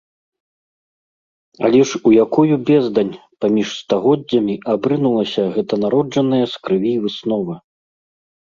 Але ж у якую бездань паміж стагоддзямі абрынулася гэта народжаная з крыві выснова?!